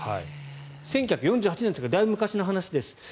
１９４８年ですからだいぶ昔の話です。